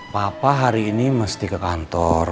papa hari ini mesti ke kantor